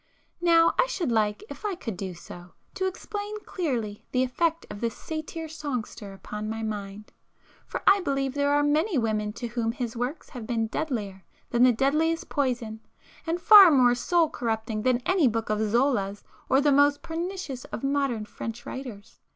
Now I should like, if I could do so, to explain clearly the effect of this satyr songster upon my mind,—for I believe there are many women to whom his works have been deadlier than the deadliest poison, and far more soul corrupting than any book of Zola's or the most pernicious of modern French writers.